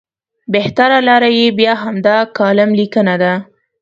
بهتره لاره یې بیا همدا کالم لیکنه ده.